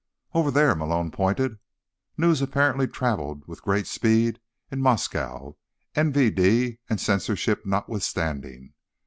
"Over there." Malone pointed. News apparently traveled with great speed in Moscow, MVD and censorship notwithstanding.